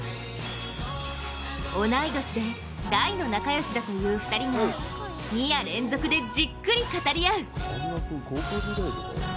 同い年で大の仲よしだという２人が、２夜連続でじっくり語り合う。